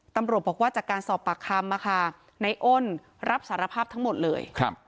ตำรวจบอกว่าจากการสอบปากคำในอ้นรับสารภาพทั้งหมดเลย